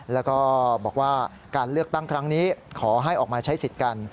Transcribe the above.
แล้วก็บอกว่าการเลือกตั้งครั้งนี้ขอให้ออกมาใช้สิทธิ์กัน